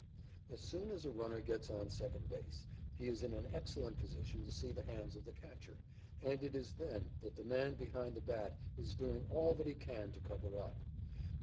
As soon as a runner gets on second base he is in an excellent position to see the hands of the catcher, and it is then that the man behind the bat is doing all that he can cover up.